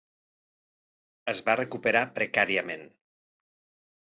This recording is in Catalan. Es va recuperar precàriament.